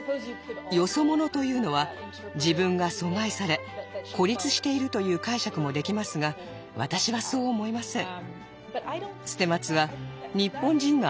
「よそ者」というのは自分が阻害され孤立しているという解釈もできますが私はそう思いません。